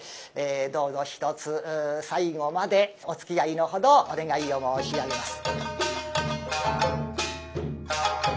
どうぞひとつ最後までおつきあいのほどお願いを申し上げます。